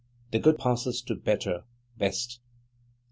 The good passes to better, best.